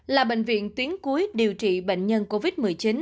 là bệnh viện tuyến cuối điều trị bệnh nhân covid một mươi chín